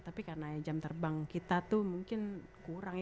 tapi karena jam terbang kita tuh mungkin kurang